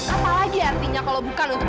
apalagi artinya kalau bukan untuk